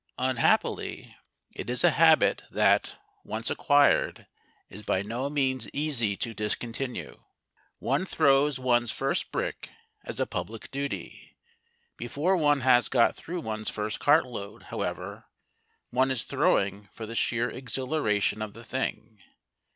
Unhappily, it is a habit that, once acquired, is by no means easy to discontinue. One throws one's first brick as a public duty; before one has got through one's first cart load, however, one is throwing for the sheer exhilaration of the thing.